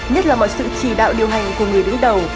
nhất là mọi sự chỉ đạo điều hành của người đứng đầu